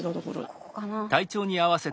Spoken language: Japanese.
ここかな。